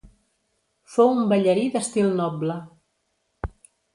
Fou un ballarí d'estil noble.